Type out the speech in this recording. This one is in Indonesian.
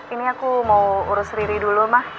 ini aku mau urus riri dulu ma